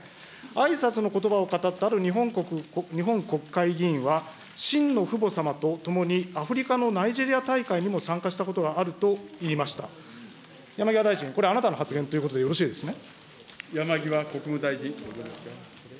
あいさつのことばを語ったある日本国国会議員は、真の父母様と共にアフリカのナイジェリア大会にも参加したことがあるといいました、山際大臣、これ、あなたの発言ということでよろしいですね。